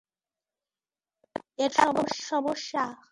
এটা তোমার সমস্যা।